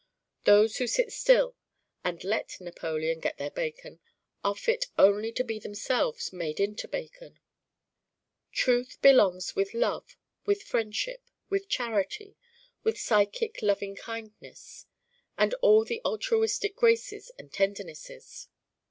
Those who sit still and let Napoleon get their bacon are fit only to be themselves made into bacon. Truth belongs with love, with friendship, with charity, with psychic lovingkindness: with all the altruistic graces and tendernesses.